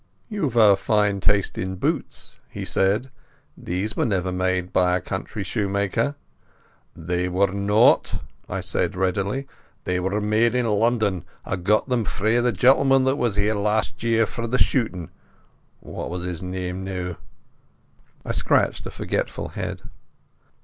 "You've a fine taste in boots," he said. "These were never made by a country shoemaker." "They were not," I said readily. "They were made in London. I got them frae the gentleman that was here last year for the shootin'. What was his name now?" And I scratched a forgetful head.